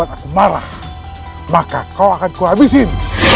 atau mereka yang akan menghabisi kau lekser